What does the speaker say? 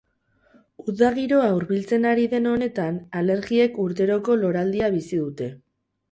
Uda giroa hurbiltzen ari den honetan, alergiek urteroko loraldia bizi dute.